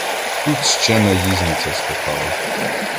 Тут ще наїзниця скакала